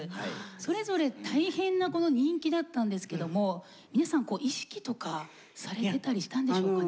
それぞれ大変な人気だったんですけども皆さん意識とかされてたりしたんでしょうかね？